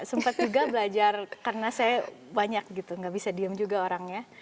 sempat juga belajar karena saya banyak gitu nggak bisa diem juga orangnya